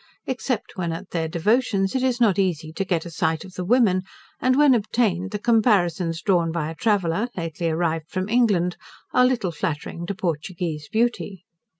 Except when at their devotions, it is not easy to get a sight of the women, and when obtained, the comparisons drawn by a traveller, lately arrived from England, are little flattering to Portugueze beauty.